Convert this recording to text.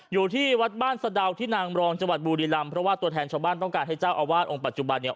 อยู่ที่วัดบ้านสะดาวที่นางรองจังหวัดบุรีรำเพราะว่าตัวแทนชาวบ้านต้องการให้เจ้าอาวาสองค์ปัจจุบันเนี่ย